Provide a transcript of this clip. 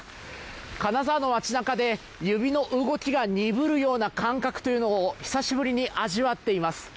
金沢の街なかで指の動きが鈍るような感覚というのを久しぶりに味わっています。